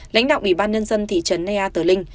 lãnh đạo ủy ban nhân dân thị trấn ea tờ linh